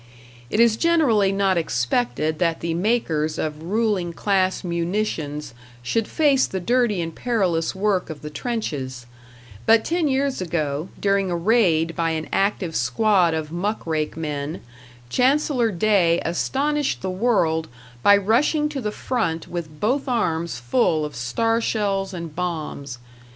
It is generally not expected that the makers of ruling class munitions should face the dirty and perilous work of the trenches; but ten years ago, during a raid by an active squad of muckrake men, Chancellor Day astonished the world by rushing to the front with both arms full of star shells and bombs.